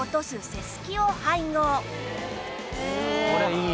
これいい。